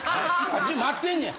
あっ待ってんねや。